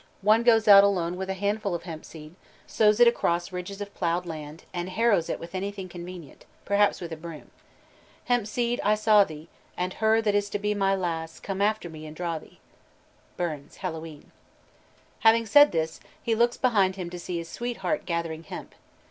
One goes out alone with a handful of hemp seed, sows it across ridges of ploughed land, and harrows it with anything convenient, perhaps with a broom. Having said: "Hemp seed, I saw thee, An' her that is to be my lass Come after me an' draw thee " BURNS: Hallowe'en. he looks behind him to see his sweetheart gathering hemp.